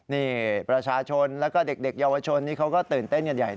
นี่ประชาชนแล้วก็เด็กเยาวชนนี้เขาก็ตื่นเต้นกันใหญ่